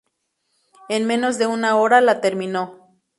En menos de una hora la terminó.